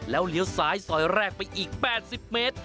แล้วเลี้ยวซ้ายซอยแรกไปอีก๘๐เมตร